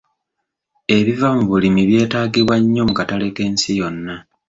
Ebiva mu bulimi byetaagibwa nnyo mu katale k'ensi yonna.